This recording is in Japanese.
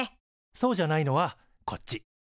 そうじゃないのはこっち。